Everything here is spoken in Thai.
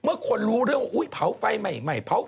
เมื่อคนรู้เรื่องพาวไฟไหม